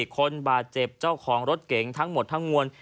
คนบาดเจ็บเจ้าของรถเก๋งทั้งหมดทั้งมวล